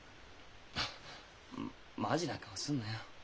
あっマジな顔すんなよ。